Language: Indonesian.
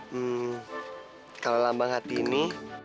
hmm kalau lambang hati ini